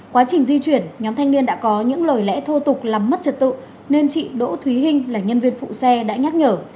quá trình di chuyển nhóm thanh niên đã có những lời lẽ thô tục làm mất trật tự nên chị đỗ thúy hinh là nhân viên phụ xe đã nhắc nhở